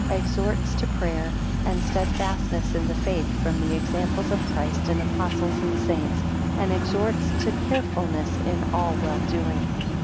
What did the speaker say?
3 Exhorts to prayer 5 and steadfastness in the faith, from the examples of Christ, 7 and Apostles and saints, and exhorts to carefulness in all well doing.